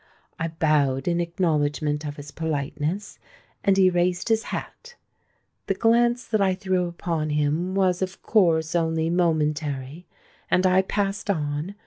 I bowed in acknowledgment of his politeness, and he raised his hat. The glance that I threw upon him was of course only momentary; and I passed on.